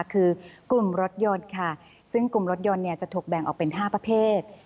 คือกลุ่มรถยนต์ค่ะซึ่งกลุ่มรถยนต์จะถูกแบ่งออกเป็น๕ประเภท